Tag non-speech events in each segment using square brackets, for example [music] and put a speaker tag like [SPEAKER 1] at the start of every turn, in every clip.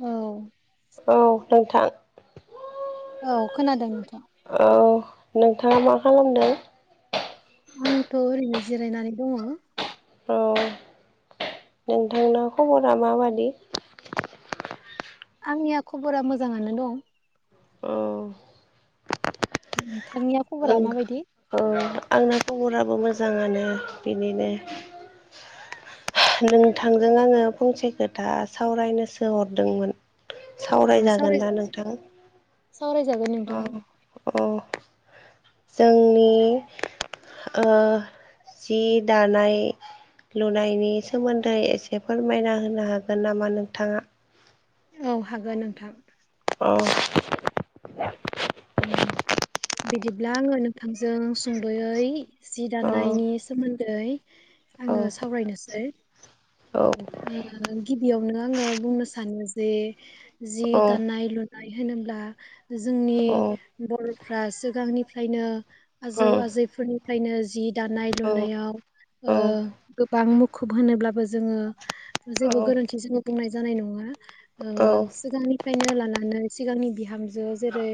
[SPEAKER 1] औ
[SPEAKER 2] औ नोंथां
[SPEAKER 1] औ खोनादों नथ
[SPEAKER 2] औ नोंथाङा मा खालामदों
[SPEAKER 1] आंथ' ओरैनो जिरायनानै दङ
[SPEAKER 2] औ नोंथांना खबरा माबादि
[SPEAKER 1] आंनिया खबरा मोजाङानो दं
[SPEAKER 2] औ
[SPEAKER 1] नों
[SPEAKER 2] ओं ओ आंना खबराबो मोजाङानो बिनिनो नोंथांजों आङो फंसे खोथा सावरायनोसो हरदोंमोन सावरायजागोन दा नोंथां
[SPEAKER 1] सावरायजागोन नोंथां
[SPEAKER 2] औ औ जोंनि ओ जि दानाय लुनायनि सोमोन्दै एसे फोरमायना होनो हागोन नामा नोंथाङा
[SPEAKER 1] औ हागोन नोंथां
[SPEAKER 2] औ
[SPEAKER 1] बिदिब्ला आङो नोंथांजों सुंद'यै जि दानायनि
[SPEAKER 2] औ
[SPEAKER 1] सोमोन्दै दै आङो सावरायनोसै
[SPEAKER 2] औ
[SPEAKER 1] [inaudible] गिबियावनो आङो बुंनो सानो जे जि
[SPEAKER 2] औ
[SPEAKER 1] दानाय लु होनोब्ला जोंनि बर'फ्रा सिगांनिफ्रायनो आजौ आजैफोरनिफ्रायनो जि दानाय लुनायाव गोबां मुखुब होनोब्लाबो जोङो जेबो गोरोन्थि जोङो बुंनाय जानाय नङा सिगांनिफ्रायनो लानानै सिगांनि बिहामजो जेरै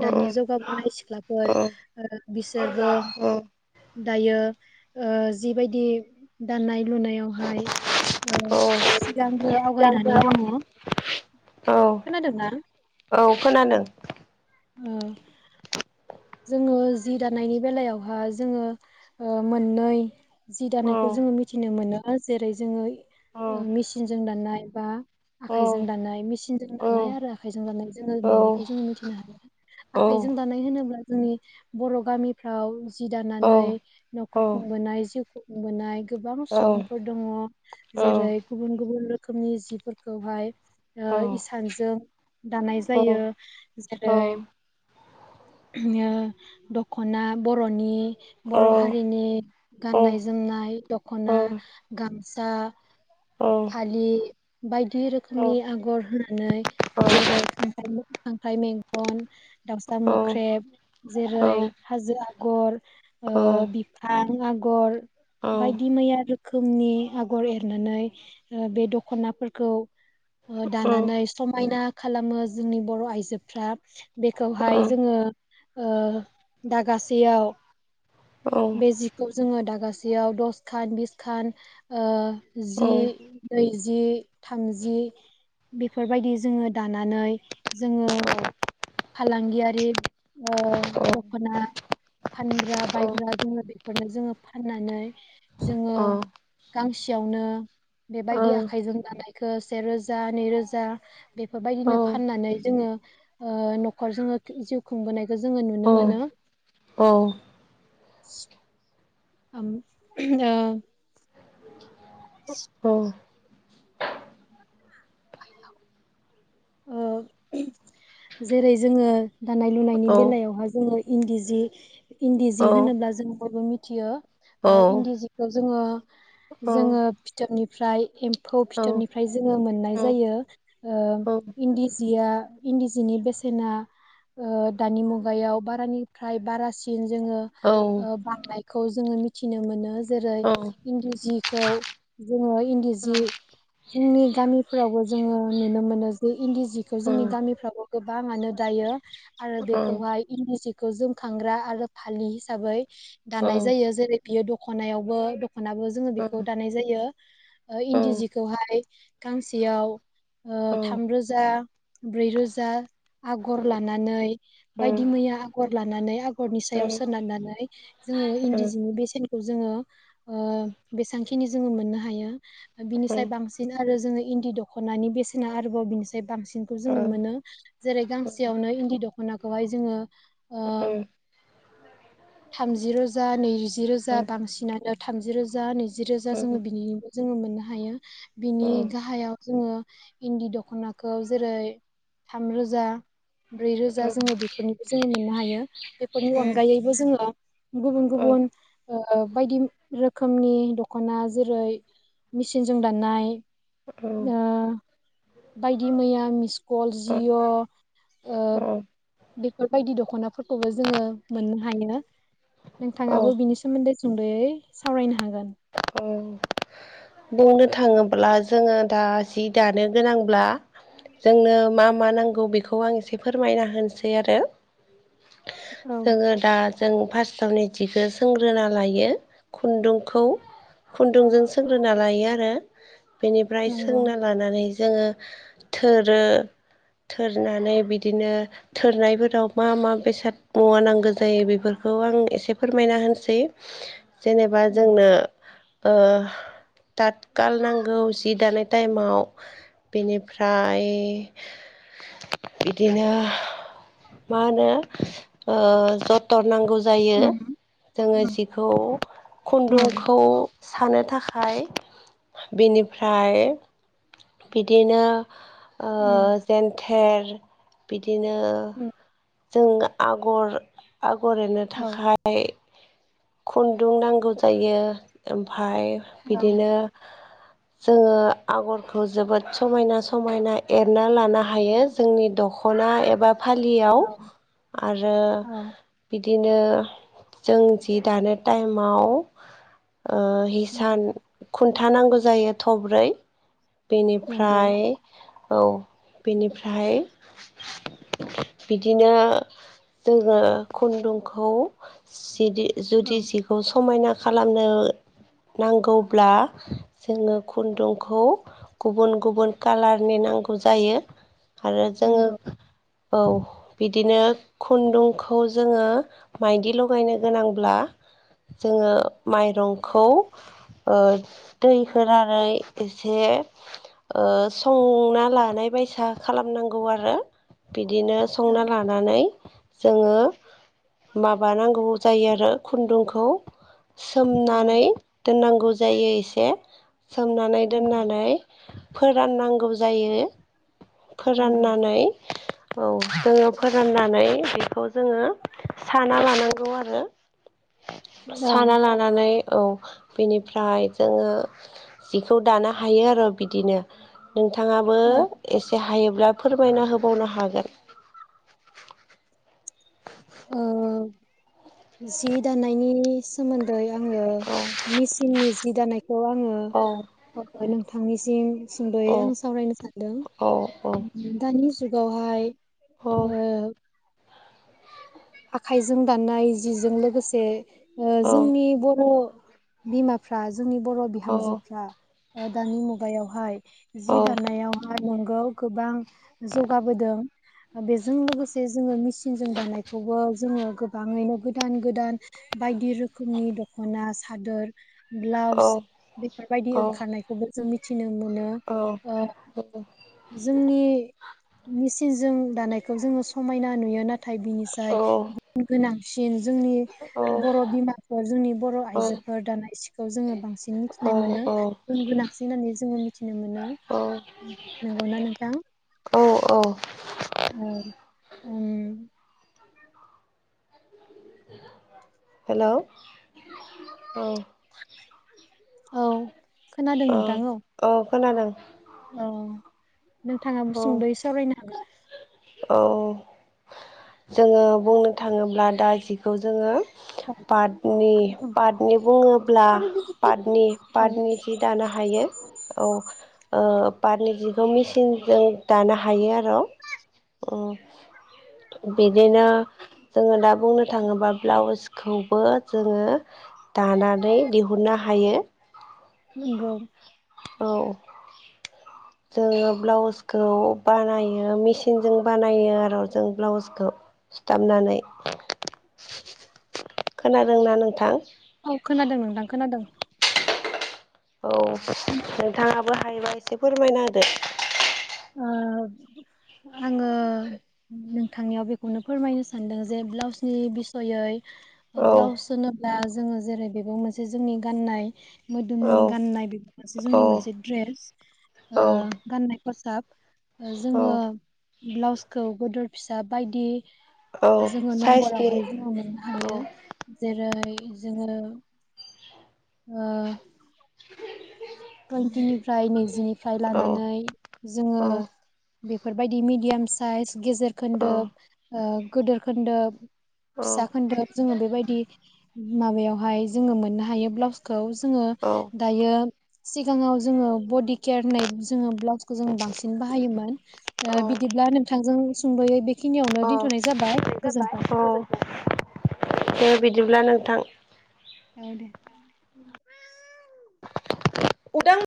[SPEAKER 1] दानि जौगाबोनाय सिख्लाफोर बिसोरबो दायो जिबायदि दानाय लुनायावहाय सिगांबो आवगायनानै दङ
[SPEAKER 2] औ
[SPEAKER 1] खोनादोंना
[SPEAKER 2] औ खोनादों
[SPEAKER 1] औ जोङो जि दानायनि बेलायावहायो जोङो मोननै जि
[SPEAKER 2] औ
[SPEAKER 1] दानायखौ जोङो मिथिनो मोनो जेरै जोङो
[SPEAKER 2] औ
[SPEAKER 1] मेसिनजों दानाय बा
[SPEAKER 2] औ
[SPEAKER 1] आखाइजों दानाय मेसिनजों
[SPEAKER 2] औ औ
[SPEAKER 1] दानाय आरो आखाइजों दानाय जोङो मोननैखौ जोङो मिथिनो हायो आखाइजों दानाय होनोब्ला जोंनि बर' गामिफ्राव जि दानानै न'खर खुंबोनाय जिउ खुंबोनाय गोबां
[SPEAKER 2] औ
[SPEAKER 1] सुबुंफोर दङ जेरै गुबुन गुबुन रोखोमनि जिफोरखौहाय इसानजों दानाय जायो जेरै दख'ना बर'नि बर' हारिनि गाननाय जोमनाय दख'ना गामसा फालि बायदि रोखोमनि आगर होनानै जेरै खांख्राइ मेगन दाउसा मो ख्रेब जेरै हाजो आगर बिफां आगर बायदि मैया रोखोमनि आगर एरनानै बे दख'नाफोरखौ दानानै समायना खालामो जोंनि बर' आइजोफ्रा बेखौहाय जोङो ओ दागासेयाव बे जिखौ जोङो दागासेयाव दसखान बिसखान जि नैजि जि थामजि बेफोरबायदि जोङो दानानै जोङो फालांगियारि ओ दखना फानग्रा बायग्रा जोङो बेफोरनो जोङो फाननानै जोङो गांसेयावनो बेबायदि आखाइजों दानायखौ सेेरोजा नैरोजा
[SPEAKER 2] औ
[SPEAKER 1] बेफोरबायदिनो फाननानै जोङो ओ न'खर जोङो जिउ खुंबोनाय
[SPEAKER 2] औ औ
[SPEAKER 1] [unintelligible] ओम ओ [inaudible] ओ जेरै जोङो दानाय लुनायनि बेलायावहाय जोङो इन्दि जि इन्दि जि होनोब्ला जों बयबो मि थियो। ओ इन्दि जिखौ जोङो जोङो फिथोबनि फ्राय एम्फौ फिथोबनिफ्राय जोङो मोननाय जायो ओ इन्दि जिया इन्दि जिनि बेसेना दानि ओ मुगायाव बारानिफ्राय बारासिन जोङो ओ बांनाय खौ जोङो मिथिनो मोनो। जेरै इन्दि जि खौ जोङो इन्दि जि जोंनि गामिफोरावबो जोङो नुनो मोनो। बे इन्दि जिखौ जोंनि गामिफ्रावबो गोबाङानो दायो आरो बेखौहाय इन्दि सिखौ जोमखांग्रा आरो फालि हिसाबै दानाय जायो जेरै बियो दखनायावबो दखनाबो जोङो बेखौ दानाय जायो इन्दि जिखौहाय गांसेयाव थामरोजा ब्रैरोजा आगर लानानै बायदि मैया आगर लानानै आगरनि सायाव सोनारनानै जोङो इन्दि जिनि बेसेनखौ जोङो ओ बेसांखिनि जोङो मोननो हायो बिनिसाय बांसिन आरो जोङो इन्दि दख'नानि बेसेना आरो रोबाव बिनिसाय बांसिनखौ जोङो मोनो जेरै गांसेयावनो इन्दि दख'नाखौहाय जोङो ओ थामजि रोजा नैजि रोजा बांसिनानो थामजि रोजा नैजि रोजा जोङो बिनिबो जोङो मोननो हायो बिनि गाहायाव जोङो इन्दि दख'नाखौ जेरै थाम रोजा ब्रै रोजा जोङो बेफोरनिबो जोङो मोननो हायो बेफोरनि अनगायैबो जोङो गुबुन गुबुन ओ बायदि रोखोमनि दख'ना जेरै मेसिनजों दानानाय। बायदि मैया मिस्क' जिअ' ओ बेफोरबायदि दख'नाफोरखौबो जोङो मोननो हायो। नोंथाङाबो बिनि सोमोन्दै सुंदै सावरायनो हागोन
[SPEAKER 2] बुंनो थाङोब्ला जोङो दा जि दानो गोनांब्ला जोंनो मा मा नांगौ बेखौ आं एसे फोरमायना होनोसै आरो।
[SPEAKER 1] औ
[SPEAKER 2] जोङो दा जों फार्स्ट सावनिथिखौ सोंग्रोना लायो खुन्दुंखौ खुन्दुंजों सों ग्रोना लायो आरो। बेनिफ्राय
[SPEAKER 1] नंगौ
[SPEAKER 2] सोंना लानानै जोङो थोरो थोरनानै बिदिनो थोरनायफोराव मा मा बेसाद मावा नांगौ जायो बेफोरखौ आं एसे फोरमायना होनोसै जेनेबा
[SPEAKER 1] औ
[SPEAKER 2] जोंनो ओ ताथखाल नांगौ जि दानाय टाइमाव बिनिफ्राय बिदिनो मा होनो जथन नांगौ जायो
[SPEAKER 1] उम
[SPEAKER 2] जोङो
[SPEAKER 1] उम
[SPEAKER 2] जिखौ
[SPEAKER 1] उम
[SPEAKER 2] खुन्दुंखौ सानो थाखाय खाय बिनिफ्राय बिदिनो ओ
[SPEAKER 1] उम
[SPEAKER 2] जेन्थे खेरदि बिदिनो
[SPEAKER 1] उम
[SPEAKER 2] जों आगर आगर एरनो
[SPEAKER 1] औ
[SPEAKER 2] थाखाय खुन्दुं नांगौ जायो ओम ओमफ्राय
[SPEAKER 1] औ
[SPEAKER 2] बिदिनो जोङो आगरखौ जोबोद समायना समायना एरना लानो हायो जोंनि दख'ना एबा फालियाव
[SPEAKER 1] औ
[SPEAKER 2] आरो
[SPEAKER 1] औ
[SPEAKER 2] बिदिनो जों जि दानो टाइमाव ओ
[SPEAKER 1] उम
[SPEAKER 2] हिसान खुन्थानांगौ जायो थब्रै
[SPEAKER 1] नंगौ
[SPEAKER 2] बेनिफ्राय औ बेनिफ्राय बिदिनो जोङो खुन्दुंखौ
[SPEAKER 1] औ
[SPEAKER 2] जुदि जिखौ समायना खालामनो नांगौब्ला जोङो खुन्दुंखौ गुबुन गुबुन कालारनि नांगौ जायो आरो जोङो
[SPEAKER 1] नंगौ
[SPEAKER 2] औ बिदिनो खुन्दुंखौ जोङो माइदि लगायनो गोनांब्ला जोङो माइरंखौ दै होनानै एसे संना लानाय बायसा खालामनांगौ आरो बिदिनो
[SPEAKER 1] औ
[SPEAKER 2] संना लानानै जोङो माबानांगौ जायो आरो खुन्दुंखौ
[SPEAKER 1] औ
[SPEAKER 2] सोमनानै दोननांगौ नांगौ जायो एसे सोमनानै
[SPEAKER 1] नंगौ
[SPEAKER 2] दोननानै फोराननांगौ जायो
[SPEAKER 1] नंगौ
[SPEAKER 2] फोराननानै औ जोङो फोराननानै बेखौ जोङो साना लानांगौ आरो।
[SPEAKER 1] औ
[SPEAKER 2] साना लानानै औ बेनिफ्राय जोङो जिखौ दानो हायो आरो बिदिनो नोंथाङाबो
[SPEAKER 1] औ
[SPEAKER 2] एसे हायोब्ला फोरमायना होबावनो हागोन।
[SPEAKER 1] ओ जि दानायनि सोमोन्दै आङो मिसिननि जि दानाय खौ आङो
[SPEAKER 2] औ
[SPEAKER 1] नोंथांनिसिम सुंद'यै
[SPEAKER 2] औ
[SPEAKER 1] आं सावरायनो सानदों
[SPEAKER 2] औ
[SPEAKER 1] दानि जुगावहाय
[SPEAKER 2] औ
[SPEAKER 1] ओ। आखाइजों दाननाय जिजों लोगोसे ओ
[SPEAKER 2] औ
[SPEAKER 1] जोंनि बर' बिमाफ्रा जोंनि बर'
[SPEAKER 2] औ
[SPEAKER 1] बिहामजोफ्रा दानि मुगायाव हाय जि दाननायावहाय नंगौ। गोबां जौगाबोदों बेजों लोगोसे जोङो मेसिनजों दानाय खौबो जोङो गोबाङैनो गोदान गोदान बायदि रोखोमनि दख'ना सादोर
[SPEAKER 2] औ
[SPEAKER 1] ब्लाउस बेफोर बायदि
[SPEAKER 2] औ
[SPEAKER 1] ओंखारनायखौबो जों मिथिनोमो मोनो। जोंनि मेसिनजों दानायखौ जोङो समायना नुयो। नाथाय थाय गुन गोनां जेन जोंनि बर' बिमाफोर जोंनि बर' आइजोफोर दाना सिखौ जोङो बांसिन मिथिनाय मोनो गुन गोनांसिन होननानै जोङो मिथिनो मोनो। नंगौ ना नोंथां।
[SPEAKER 2] औ औ
[SPEAKER 1] औ उम।
[SPEAKER 2] हेलौ औ।
[SPEAKER 1] औ। खोनादों
[SPEAKER 2] अ
[SPEAKER 1] नोंथां
[SPEAKER 2] औ। खोनादों।
[SPEAKER 1] औ। नोंथाङाबो सुंद'यै सावरायनो हागोना?
[SPEAKER 2] औ जोङो बुंनो थाङोब्ला दा जिखौ जोङो पाटनि
[SPEAKER 1] हागोन
[SPEAKER 2] पाटनि बुङोब्ला पाटनि
[SPEAKER 1] औ
[SPEAKER 2] पाटनि जि दानो हायो। औ ओ पाट जिखौ मेसिनजों दानो हायो आरो। उम बिदिनो जोङो दा बुंनो थाङोब्ला ब्लाउसखौबो जोङो दानानै दिहुननो हायो।
[SPEAKER 1] नंगौ
[SPEAKER 2] औ जोङो ब्लाउसखौ बानायो मेसिनजों बानायो आरो जों ब्लाउसखौ सुथाबनानै खोनादोंना नोंथां
[SPEAKER 1] औ खोनादों नोंथां खोनादों
[SPEAKER 2] औ नोंथाङा बो हायोबा एसे फोरमायना होदो
[SPEAKER 1] आङो नोंथांनियाव बेखौनो फोरमायनो सानदों जे ब्लाउसनि बिसयै
[SPEAKER 2] होदो
[SPEAKER 1] ब्लाउस होनोब्ला जोङो जेरै बेबो मोनसे जोंनि गाननाय
[SPEAKER 2] औ
[SPEAKER 1] मोदोमनि गाननाय बेफोरबो मोनसे
[SPEAKER 2] औ
[SPEAKER 1] जोंनि मोनसे द्रेस
[SPEAKER 2] औ
[SPEAKER 1] गाननाय पसाब जोङो
[SPEAKER 2] औ
[SPEAKER 1] ब्लाउसखौ गोदर फिसा बायदि
[SPEAKER 2] औ
[SPEAKER 1] जोङो
[SPEAKER 2] साइसनि
[SPEAKER 1] नम्बरावहाय जोङो मोननो हायो
[SPEAKER 2] औ
[SPEAKER 1] जेरै जोङो ओ टुइनटिनिफ्राय नैजिनिफ्राय
[SPEAKER 2] औ
[SPEAKER 1] लानानै जोङो
[SPEAKER 2] औ
[SPEAKER 1] बेफोरबायदि मिडियाम साइज गेजेर
[SPEAKER 2] औ
[SPEAKER 1] खोन्दो गोदोर खोन्दोब
[SPEAKER 2] औ
[SPEAKER 1] फिसा खोन्दोब जोङो बेबायदि माबायावहाय जोङो मोननो हायो ब्लाउसखौ जोङो
[SPEAKER 2] औ
[SPEAKER 1] दायो सिगाङाव जोङो बडि केयार होननाय जोङो ब्ला उस जों बांसिन बाहायोमोन बिदिब्ला नोंथांजों। सुंदयै बि खिनियावनो
[SPEAKER 2] औ
[SPEAKER 1] दोनथ'नाय जाबाय गोजोन्थों
[SPEAKER 2] औ दे बिदिब्ला नोंथां
[SPEAKER 1] औ दे।
[SPEAKER 2] उदां